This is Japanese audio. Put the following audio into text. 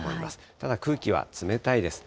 ただ空気は冷たいです。